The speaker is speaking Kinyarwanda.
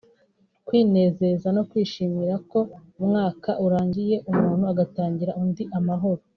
Kwinezera no kwishimira ko umwaka urangiye umuntu agatangira undi amahoro